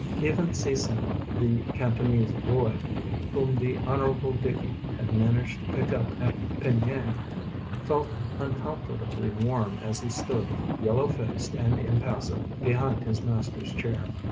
Bven See Sim the Can tonese "boy" whom the Honorable Dicky had managed to pick up at Penang, felt uncom fortably warm as he stood, yellow faced and impaasive, behind his master's chair.